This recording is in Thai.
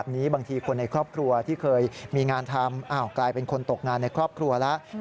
บางทีคนในครอบครัวที่เคยมีงานทำกลายเป็นคนตกงานในครอบครัวแล้ว